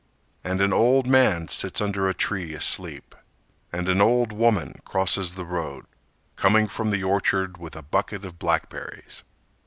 And an old man sits under a tree asleep, And an old woman crosses the road, Coming from the orchard with a bucket of blackberries.